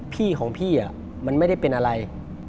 พี่ของพี่มันไม่ได้เป็นอะไร